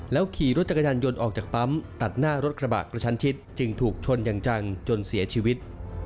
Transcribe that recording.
ขี่รถจักรยานยนต์ออกจากปั๊มตัดหน้ารถกระบะกระชันชิดจึงถูกชนอย่างจังจนเสียชีวิต